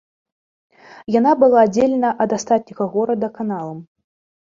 Яна была аддзелена ад астатняга горада каналам.